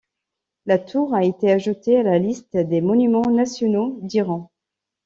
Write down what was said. La tour a été ajoutée à la liste des monuments nationaux d'Iran.